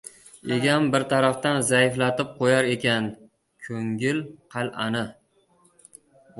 Egam bir tarafdan zaiflatib qo‘yar ekan ko‘ngil — qal’ani